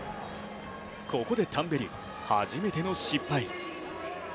ここでタンベリ、初めての失敗。